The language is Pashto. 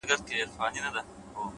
پوه انسان تل زده کوونکی وي؛